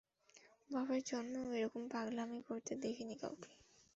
বাপের জন্মেও এরকম পাগলামি করতে দেখিনি কাউকে!